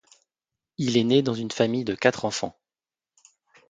Il est né dans une famille de quatre enfants.